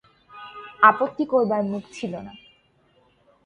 আপত্তি করবার মুখ ছিল না।